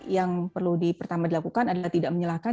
yang perlu pertama dilakukan adalah tidak menyalahkan